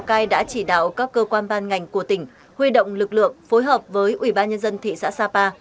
lào cai đã chỉ đạo các cơ quan ban ngành của tỉnh huy động lực lượng phối hợp với ủy ban nhân dân thị xã sapa